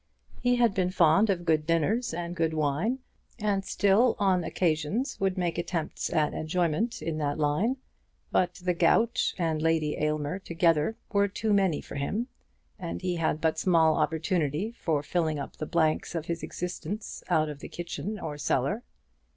He had been fond of good dinners and good wine, and still, on occasions, would make attempts at enjoyment in that line; but the gout and Lady Aylmer together were too many for him, and he had but small opportunity for filling up the blanks of his existence out of the kitchen or cellar.